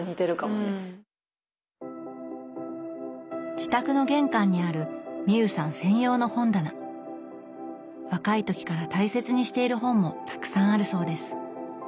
自宅の玄関にある若い時から大切にしている本もたくさんあるそうです